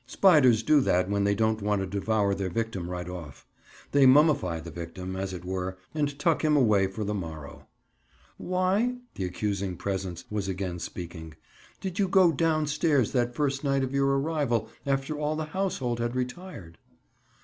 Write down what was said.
Spiders do that when they don't want to devour their victim right off. They mummify the victim, as it were, and tuck him away for the morrow. "Why"—the accusing presence was again speaking—"did you go down stairs that first night of your arrival, after all the household had retired?"